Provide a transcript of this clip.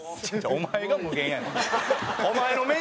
お前が無限やねん。